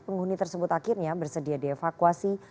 penghuni tersebut akhirnya bersedia dievakuasi